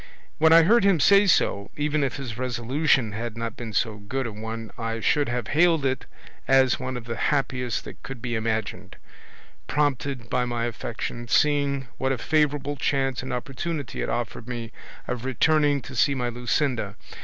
When I heard him say so, even if his resolution had not been so good a one I should have hailed it as one of the happiest that could be imagined, prompted by my affection, seeing what a favourable chance and opportunity it offered me of returning to see my Luscinda.